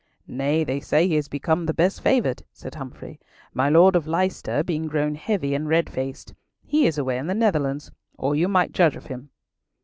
"Nay; they say he is become the best favoured," said Humfrey; "my Lord of Leicester being grown heavy and red faced. He is away in the Netherlands, or you might judge of him."